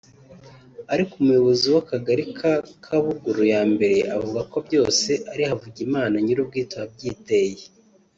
ariko umuyobozi w’Akagari ka Kabuguru I avuga ko byose ari Havugimana nyir’ubwite wabyiteye